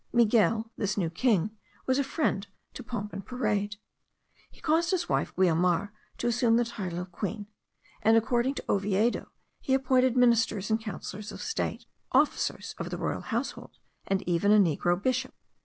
Miguel, this new king, was a friend to pomp and parade. He caused his wife Guiomar, to assume the title of queen; and, according to Oviedo, he appointed ministers and counsellors of state, officers of the royal household, and even a negro bishop.